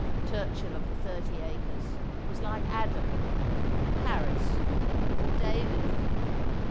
Turchill of the thirty acres was like Adam, or Paris, or David.